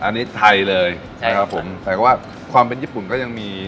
อันนี้ไทยเลยใช่ครับผมแต่ก็ว่าความเป็นญี่ปุ่นก็ยังมี